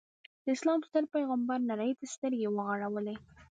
د اسلام ستر پیغمبر نړۍ ته سترګې وغړولې.